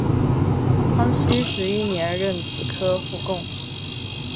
康熙十一年壬子科副贡。